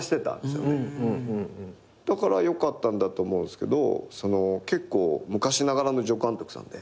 だからよかったんだと思うんですけど結構昔ながらの助監督さんで。